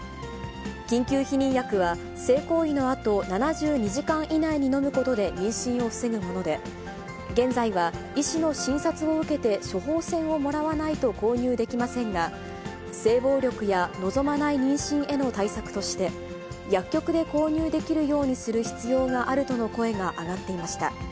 緊急避妊薬は、性行為のあと、７２時間以内に飲むことで妊娠を防ぐもので、現在は医師の診察を受けて処方箋をもらわないと購入できませんが、性暴力や望まない妊娠への対策として、薬局で購入できるようにする必要があるとの声が上がっていました。